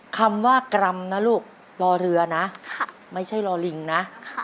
คำว่ากรรมนะลูกรอเรือนะไม่ใช่รอลิงนะ